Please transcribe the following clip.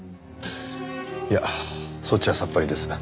いやそっちはさっぱりです。